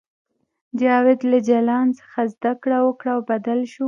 جاوید له جلان څخه زده کړه وکړه او بدل شو